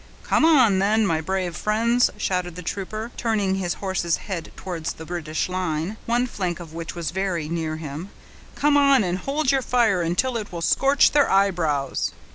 "Come on, then, my brave friends!" shouted the trooper, turning his horse's head towards the British line, one flank of which was very near him; "come on, and hold your fire until it will scorch their eyebrows."